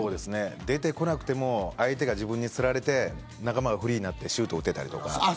出てこなくても相手が自分につられて仲間がフリーになってシュートを打てたりとか。